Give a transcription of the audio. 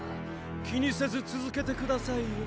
気にせず続けてくださいよ。